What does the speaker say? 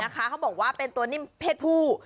เขาบอกว่าเป็นตัวนิ่มเพศผู้